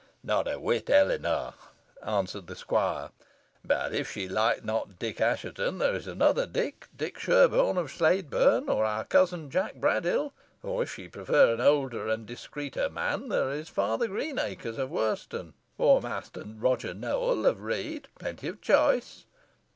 "Not a whit, Eleanor," answered the squire; "but if she like not Dick Assheton, there is another Dick, Dick Sherburne of Sladeburn; or our cousin, Jack Braddyll; or, if she prefer an older and discreeter man, there is Father Greenacres of Worston, or Master Roger Nowell of Read plenty of choice."